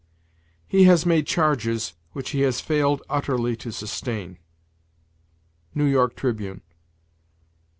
"He has made charges ... which he has failed utterly to sustain." "New York Tribune."